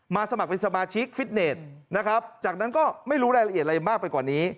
มาสมัครเป็นสมาชิกฟิตเนตจากนั้นไม่รู้เรียกอะไรมากกว่านี้